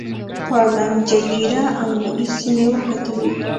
پالم جبیره او نورې سیمې وکتلې.